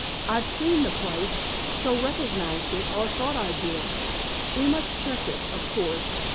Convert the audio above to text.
I've seen the place, so recognized it, or thought I did. We must check it, of course.